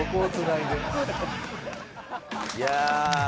いや。